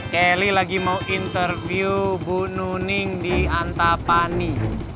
kelly lagi mau interview bu nuning di antapani